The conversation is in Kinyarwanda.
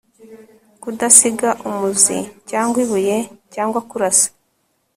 Kudasiga umuzi cyangwa ibuye cyangwa kurasa